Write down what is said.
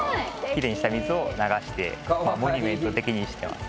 キレイにした水を流してカワイイモニュメント的にしてます